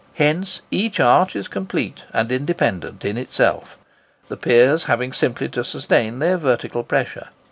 Hence each arch is complete and independent in itself, the piers having simply to sustain their vertical pressure.